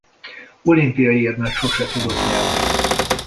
Olimpiai érmet sose tudott nyerni.